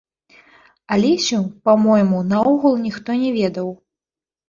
Алесю, па-мойму, наогул ніхто не ведаў.